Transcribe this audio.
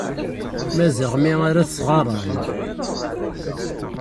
Maziɣ mi ara tesɣaray.